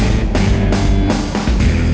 udah bocan mbak